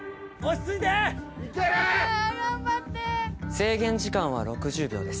制限時間は６０秒です。